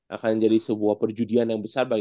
akan jadi sebuah perjudian yang besar bagi